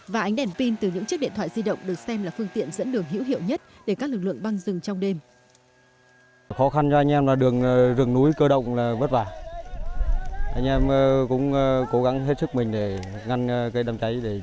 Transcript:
và ánh đèn pin từ những chiếc điện thoại di động được xem là phương tiện dẫn đường hữu hiệu nhất để các lực lượng băng rừng trong đêm